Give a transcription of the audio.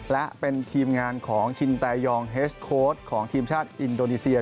และเป็นทีมงานของชินแตยองเฮสโค้ดของทีมชาติอินโดนีเซีย